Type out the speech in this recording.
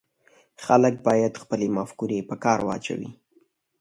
خلک باید خپلې مفکورې په کار واچوي